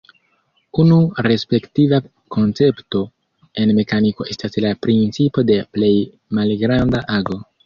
Unu respektiva koncepto en mekaniko estas la principo de plej malgranda ago.